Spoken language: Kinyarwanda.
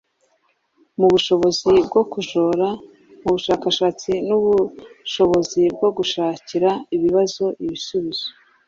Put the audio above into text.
mu bushobozi bwo kujora, mu bushakashatsi n’ubushobozi bwo gushakira ibibazo ibisubizo,